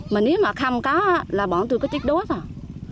mà nếu mà không có là bọn tôi có tích đốt rồi